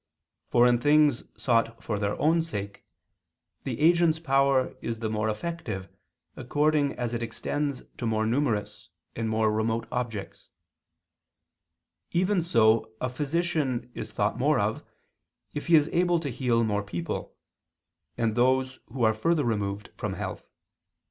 For in things sought for their own sake, the agent's power is the more effective according as it extends to more numerous and more remote objects; even so a physician is thought more of, if he is able to heal more people, and those who are further removed from health.